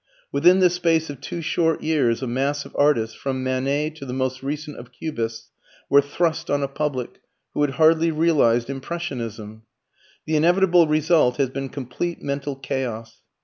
Within the space of two short years a mass of artists from Manet to the most recent of Cubists were thrust on a public, who had hardly realized Impressionism. The inevitable result has been complete mental chaos.